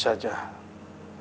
sebaiknya ditemui saja